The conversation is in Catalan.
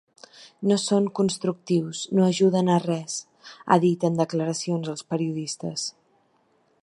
No són constructius, no ajuden a res, ha dit en declaracions als periodistes.